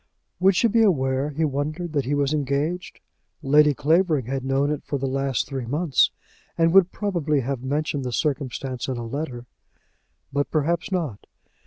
Would she be aware, he wondered, that he was engaged? Lady Clavering had known it for the last three months, and would probably have mentioned the circumstance in a letter. But perhaps not.